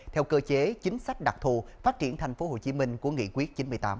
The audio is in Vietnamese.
theo cơ chế chính sách đặc thù phát triển tp hcm của nghị quyết chín mươi tám